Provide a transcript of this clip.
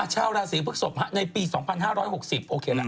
เช่าราศีพฤษภพในปี๒๕๖๐โอเคแหละ